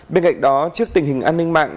bên cạnh đó trước tình hình an ninh mạng